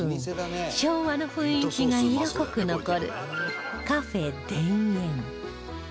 昭和の雰囲気が色濃く残る Ｃａｆ 田園